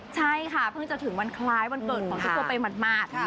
ใช่ค่ะเพิ่งจะถึงวันคล้ายวันเกิดของเจ้าตัวไปหมาด